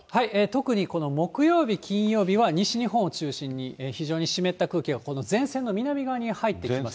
特にこの木曜日、金曜日は西日本を中心に非常に湿った空気が、前線の南側。